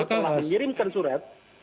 ya di situ telah menyirimkan surat